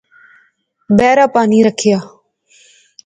بیرے پانی رکھیا